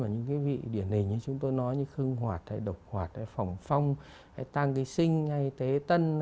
những cái vị điển hình như chúng tôi nói như khưng hoạt độc hoạt phỏng phong tăng gây sinh tế tân